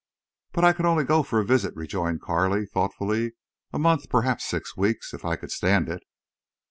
"But I could only go for a visit," rejoined Carley, thoughtfully. "A month, perhaps six weeks, if I could stand it."